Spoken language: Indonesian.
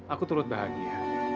aku terlihat bahagia